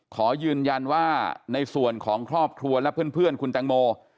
ขอยืนยันว่าในส่วนของครอบครัวและเพื่อนคุณแตงโม